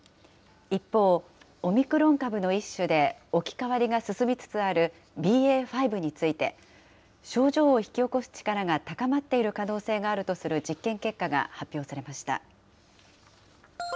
一方、オミクロン株の一種で置き換わりが進みつつあるＢＡ．５について、症状を引き起こす力が高まっている可能性があるとする実験結果が、発表されました。